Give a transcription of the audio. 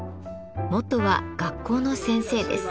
元は学校の先生です。